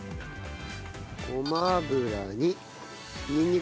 ごま油ににんにく。